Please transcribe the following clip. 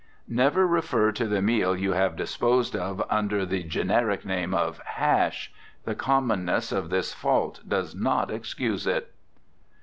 Never refer to the meal you have disposed of under the generic name of "hash." The commonness of this fault does not excuse it.